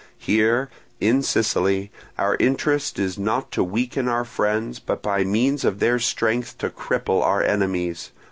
Here, in Sicily, our interest is not to weaken our friends, but by means of their strength to cripple our enemies.